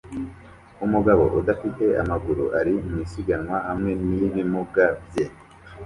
Umugabo udafite amaguru ari mu isiganwa hamwe n’ibimuga bye